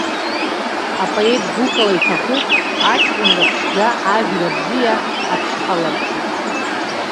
Апоет гәыкала иҭахуп аҷкәынра ԥшӡа ажәра бзиа аԥшьхаларцаз.